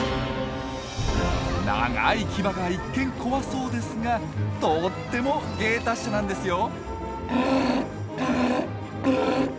長い牙が一見怖そうですがとっても芸達者なんですよ。